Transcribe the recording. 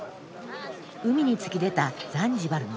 海に突き出たザンジバルの街。